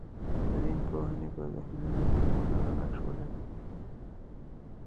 د دین پوهنې په تحلیلونو کې هماغه نقش ولري.